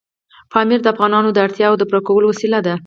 پامیر د افغانانو د اړتیاوو د پوره کولو وسیله ده.